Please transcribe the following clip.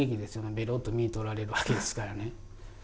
ベロッと身を取られるわけですから。